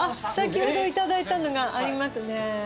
先ほどいただいたのがありますね。